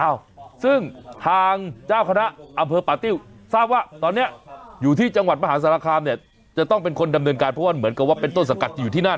เอ้าซึ่งทางเจ้าคณะอำเภอป่าติ้วทราบว่าตอนนี้อยู่ที่จังหวัดมหาสารคามเนี่ยจะต้องเป็นคนดำเนินการเพราะว่าเหมือนกับว่าเป็นต้นสังกัดจะอยู่ที่นั่น